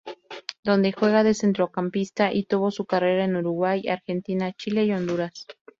Donde juega de centrocampista y tuvo su carrera en Uruguay, Argentina, Chile y Honduras.